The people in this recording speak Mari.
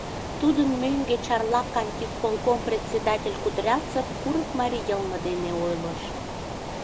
Тудын мӧҥгӧ Чарла кантисполком председатель Кудрявцев курык марий йылме дене ойлыш.